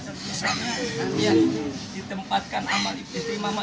dan bisa ditempatkan amal ibadahnya